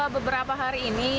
beberapa hari ini